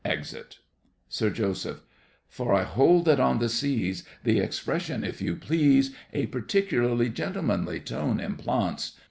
[Exit. SIR JOSEPH. For I hold that on the seas The expression, "if you please", A particularly gentlemanly tone implants.